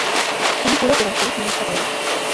তিনি পুরো কুরআন শরিফ মুখস্থ করেন।